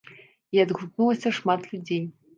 І адгукнулася шмат людзей.